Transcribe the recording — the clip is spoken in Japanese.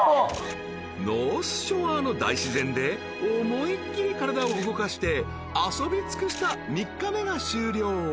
［ノースショアの大自然で思いっ切り体を動かして遊び尽くした３日目が終了］